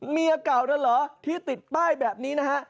เมียเก่านั่นเหรอที่ติดป้ายแบบนี้นะฮะ